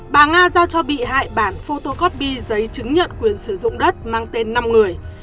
bà nga giao cho bị hại bản photocopy giấy chứng nhận quyền sử dụng đất mang tên năm người